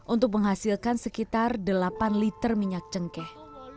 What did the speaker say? untuk menghasilkan sekitar delapan liter minyak cengkeh